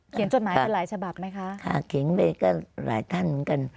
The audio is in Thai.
จดหมายกันหลายฉบับไหมคะค่ะเขียนเลขก็หลายท่านเหมือนกัน